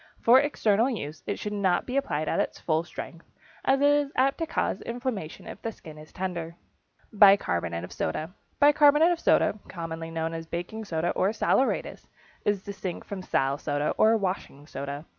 For external use it should not be applied at full strength, as it is apt to cause inflammation if the skin is tender. =Bicarbonate of Soda.= Bicarbonate of soda, commonly known as baking soda or saleratus, is distinct from sal soda or washing soda.